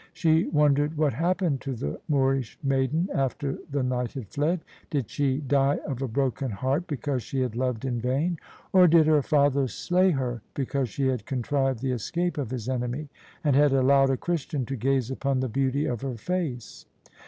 She wondered what happened to the Moorish maiden after the knight had fled. Did she die of a broken heart because she had loved in vain? Or did her father slay her, because she had contrived the escape of his enemy, and had allowed a Christian to gaze upon the beauty of her face?